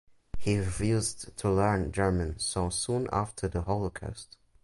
He refused to learn German so soon after the Holocaust.